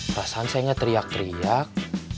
perasaan saya teriak teriak